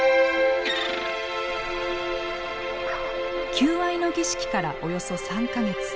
求愛の儀式からおよそ３か月。